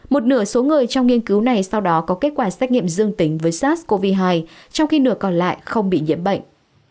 một nửa số người trong nghiên cứu này sau đó có kết quả xét nghiệm dương tính với sars cov hai trong khi nửa còn lại không bị nhiễm bệnh